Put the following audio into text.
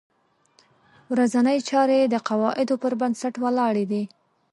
ورځنۍ چارې د قواعدو په بنسټ ولاړې دي.